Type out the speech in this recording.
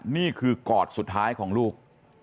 นี่คือกอดสุดท้ายของลูก